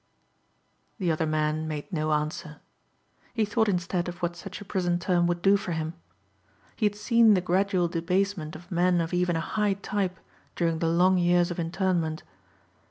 The other man made no answer. He thought instead of what such a prison term would do for him. He had seen the gradual debasement of men of even a high type during the long years of internment.